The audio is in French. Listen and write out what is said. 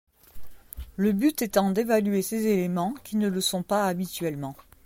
Le but étant d’évaluer ces éléments, qui ne le sont pas habituellement.